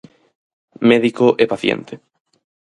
Médico e paciente.